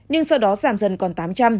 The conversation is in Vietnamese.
nhưng sau đó giảm dần còn tám trăm linh